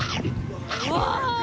うわ！